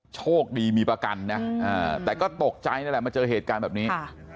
โชคดีมีประกันนะแต่ก็ตกใจนั่นแหละมาเจอเหตุการณ์แบบนี้